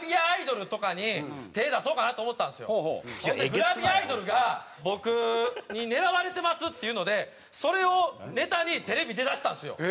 グラビアアイドルが僕に狙われてますっていうのでそれをネタにテレビ出だしたんですよ。